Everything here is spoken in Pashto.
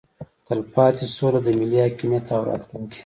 تلپاتې سوله د ملي حاکمیت او راتلونکي